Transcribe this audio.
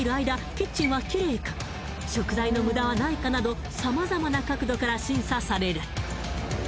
キッチンはキレイか食材の無駄はないかなど様々な角度から審査される